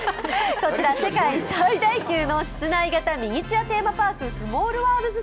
こちら世界最大級のミニチュア・テーマパーク、スモールワールズ